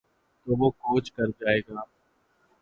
تو وہ کوچ کر جائے گا۔